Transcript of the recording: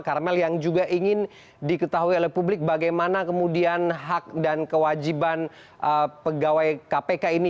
karmel yang juga ingin diketahui oleh publik bagaimana kemudian hak dan kewajiban pegawai kpk ini